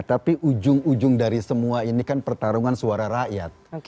tapi ujung ujung dari semua ini kan pertarungan suara rakyat